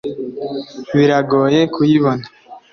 Biragoye kuyibona